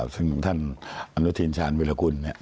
ซึ่งท่านอันนทินศ์ชาญบิลคุณ